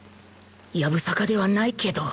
やぶさかではないけど